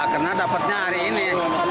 karena dapatnya hari ini